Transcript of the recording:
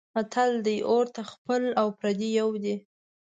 متل دی: اور ته خپل او پردی یو دی.